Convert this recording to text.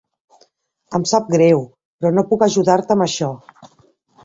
Em sap greu, però no puc ajudar-te amb això.